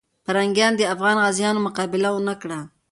پرنګیان د افغان غازیانو مقابله ونه کړه.